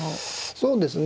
そうですね。